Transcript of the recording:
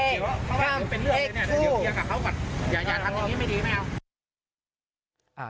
อย่าทำอย่างนี้ไม่ดีไม่เอา